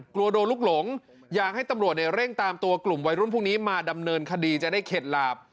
กลัวโดนลูกหลงอยากให้ตำรวจเนี่ยเร่งตามตัวกลุ่มวัยรุ่นพวกนี้มาดำเนินคดีจะได้เข็ดหลาบ